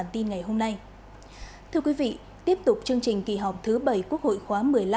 thưa quý vị tiếp tục chương trình kỳ họp thứ bảy quốc hội khóa một mươi năm